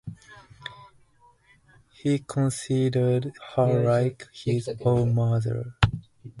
He considered her like his own mother'.